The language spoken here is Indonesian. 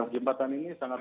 jembatan ini sangat